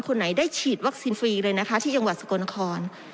คนไหนได้ฉีดวัคซีนฟรีเลยนะคะที่จังหวัดสกลนคร